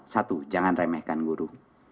satu jangan remehkan guru